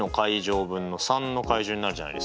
分の３！になるじゃないですか。